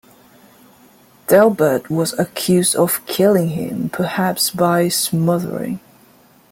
Delbert was accused of killing him, perhaps by smothering.